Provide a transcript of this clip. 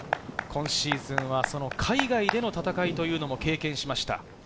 今シーズンは海外での戦いというのも経験しました。